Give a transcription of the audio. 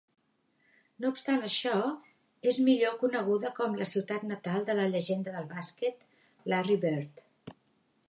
No obstant això, és millor coneguda com la ciutat natal de la llegenda del bàsquet, Larry Bird.